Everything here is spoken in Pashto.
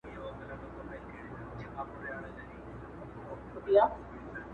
نه یې څه پیوند دی له بورا سره٫